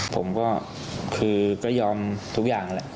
ผมก็คือก็ยอมทุกอย่างแหละ